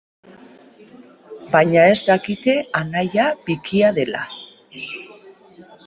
Baina ez dakite anaia bikia dela.